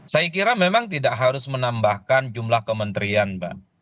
saya kira memang tidak harus menambahkan jumlah kementerian mbak